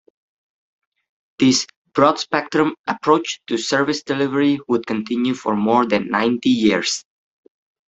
This 'broad spectrum' approach to service delivery would continue for more than ninety years.